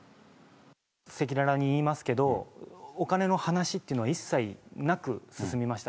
赤裸々に言いますけど、お金の話っていうのは一切なく進みました。